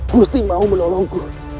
gusti mau menolongku